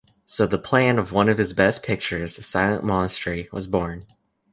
So the plan of one of his best pictures, "The Silent Monastery", was born.